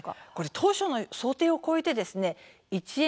当初の想定を超えて１円